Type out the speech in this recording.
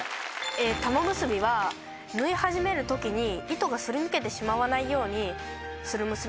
玉結びは縫い始める時に糸がすり抜けてしまわないようにする結び方で。